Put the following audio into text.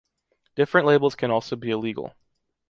Different labels can also be illegal.